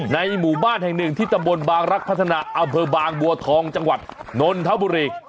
ในหมู่บ้านแห่งหนึ่งที่ตำบลบางรักพัฒนาอำเภอบางบัวทองจังหวัดนนทบุรี